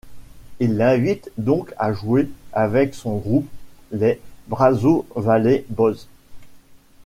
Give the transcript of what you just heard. Il l'invite donc à jouer avec son groupe, les Brazos Valley Boys.